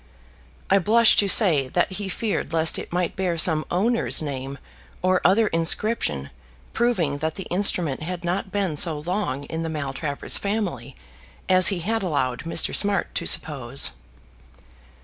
I blush to say that he feared lest it might bear some owner's name or other inscription proving that the instrument had not been so long in the Maltravers family as he had allowed Mr. Smart to suppose.